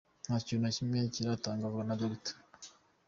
Nta kintu na kimwe kiratangazwa na Dr.